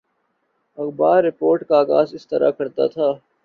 اخبار رپورٹ کا آغاز اس طرح کرتا ہے